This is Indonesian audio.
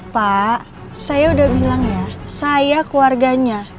pak saya udah bilang ya saya keluarganya